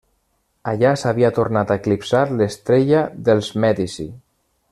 Allà s'havia tornat a eclipsar l'estrella dels Mèdici.